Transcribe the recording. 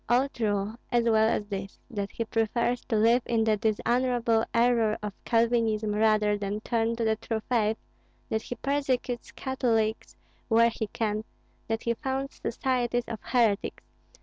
All true, as well as this, that he prefers to live in the dishonorable error of Calvinism rather than turn to the true faith, that he persecutes Catholics where he can, that he founds societies of heretics.